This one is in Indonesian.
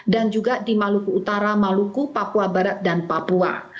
dan juga di maluku utara maluku papua barat dan papua